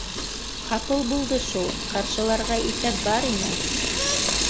— Ҡапыл булды шул, ҡаршыларға иҫәп бар ине